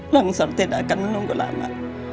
longsor tidak akan menunggu lama